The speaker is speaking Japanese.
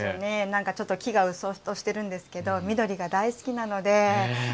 なんかちょっと木がうっそうとしてるんですけど緑が大好きなのでうん。